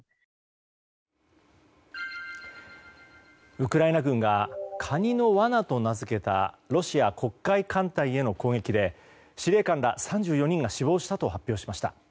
ウクライナ軍がカニの罠と名付けたロシア黒海艦隊への攻撃で司令官ら３４人が死亡したと発表しました。